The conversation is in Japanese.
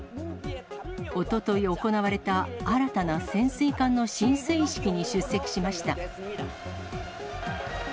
おととい行われた新たな潜水艦の進水式に出席しました。